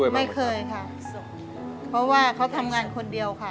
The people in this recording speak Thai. ไม่เคยค่ะเพราะว่าเขาทำงานคนเดียวค่ะ